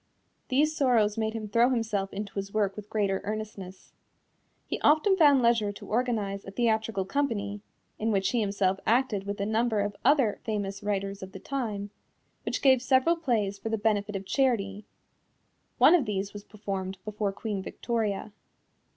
These sorrows made him throw himself into his work with greater earnestness. He even found leisure to organize a theatrical company (in which he himself acted with a number of other famous writers of the time), which gave several plays for the benefit of charity. One of these was performed before Queen Victoria.